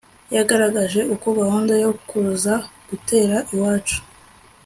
Yagaragaje uko gahunda yo kuza gutera iwacu